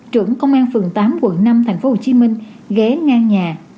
trưởng công an phường tám quận năm tp hcm ghế ngang nhà